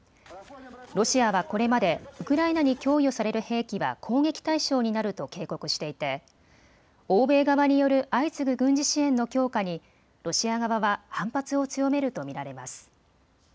ロシアはこれまでウクライナに供与される兵器は攻撃対象になると警告していて欧米側による相次ぐ軍事支援の強化にロシア側は反発を強めると見られます。